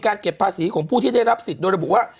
เก็บภาษีของผู้ที่ได้รับสิทธิ์โดยระบุว่า